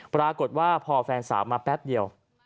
ปรากฏว่าพอแฟนสาวมาแป๊บเดียว